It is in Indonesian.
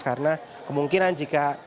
karena kemungkinan jika